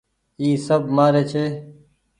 اي سب مهآري ڇي